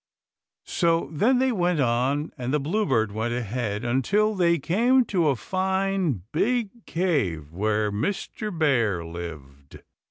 So then they went on and the bluebird went ahead, until they came to a fine, big cave, where Mr. Bear lived.